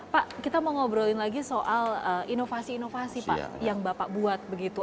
pak kita mau ngobrolin lagi soal inovasi inovasi pak yang bapak buat begitu